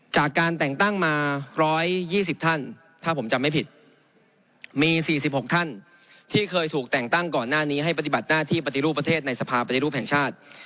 จากการแต่งตั้งมา๑๒๐ท่านถ้าผมจำไม่ผิดมี๔๖ท่านที่เคยถูกแต่งตั้งก่อนหน้านี้ให้ปฏิบัติหน้าที่ปฏิรูปประเทศในสภาปฏิรูปแห่งชาติ